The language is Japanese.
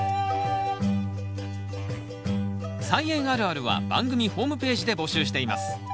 「菜園あるある」は番組ホームページで募集しています。